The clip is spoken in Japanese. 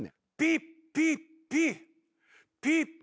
ピッピッピッ。